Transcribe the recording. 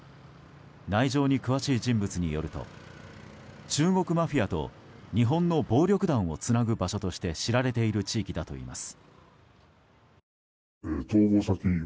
内情に詳しい人物によると中国マフィアと日本の暴力団をつなぐ場所として知られている地域だといいます。